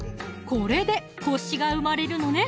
これでコシが生まれるのね